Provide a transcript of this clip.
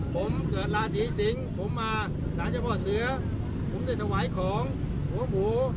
ผมเกิดราศีสิงศ์ผมมาสารเจ้าพ่อเสือผมได้ถวายของหัวหมู